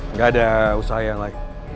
nggak ada usaha yang lain